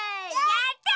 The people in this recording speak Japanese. やった！